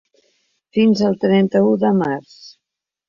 Fins al trenta-u de març.